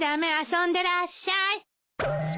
遊んでらっしゃい。